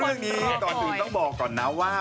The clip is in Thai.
เรื่องนี้ก่อนอื่นต้องบอกก่อนนะว่า